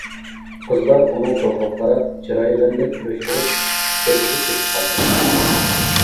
قىزلار ئۇنىڭ تۇرقىغا قاراپ چىرايلىرىنى پۈرۈشتۈرۈپ پىچىرلىشىپ كېتىپ قالدى.